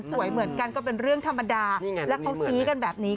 เหมือนกันก็เป็นเรื่องธรรมดาแล้วเขาซี้กันแบบนี้